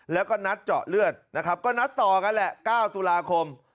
แล้วก็นัดเจาะเลือดนะครับก็นัดต่อกันแหละ๙ตุลาคม